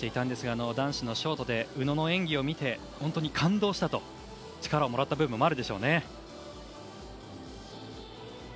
男子のショートで宇野の演技を見て本当に感動した力をもらった部分もあるでしょうね。